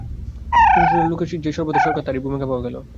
শুশ্রূষার লোকের যে সর্বদা দরকার তারই ভূমিকা পাওয়া গেল।